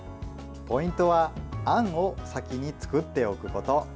ポイントはあんを先に作っておくこと。